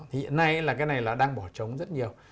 hiện nay cái này là đang bỏ trống rất nhiều